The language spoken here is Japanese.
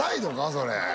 それ。